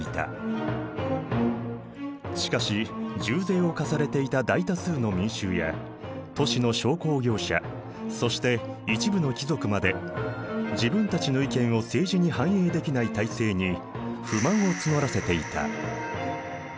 しかし重税を課されていた大多数の民衆や都市の商工業者そして一部の貴族まで自分たちの意見を政治に反映できない体制に不満を募らせていた。